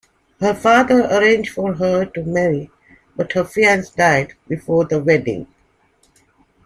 Her father arranged for her to marry but her fiance died before the wedding.